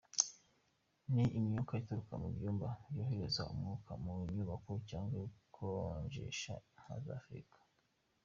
Ni imyuka ituruka mu byuma byohereza umwuka mu nyubako cyangwa ibikonjesha nka za firigo.